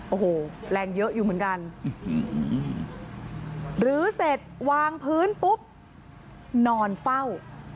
โอ้โหแรงเยอะอยู่เหมือนกันหรือเสร็จวางพื้นปุ๊บนอนเฝ้า